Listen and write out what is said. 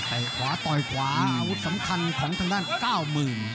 ไอ้ขวาต่อยขวาอาวุธสำคัญของทางด้าน๙๐๐๐๐